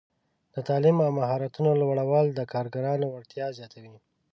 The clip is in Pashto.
د تعلیم او مهارتونو لوړول د کارګرانو وړتیا زیاتوي.